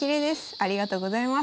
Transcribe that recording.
ありがとうございます。